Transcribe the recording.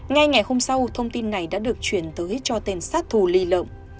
ngay ngày hôm sau thông tin này đã được chuyển tới cho tên sát thù lì lợm